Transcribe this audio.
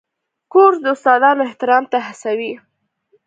کورس د استادانو احترام ته هڅوي.